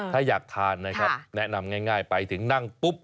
ถ้าอยากทานนะครับแนะนำง่ายไปถึงนั่งปุ๊บ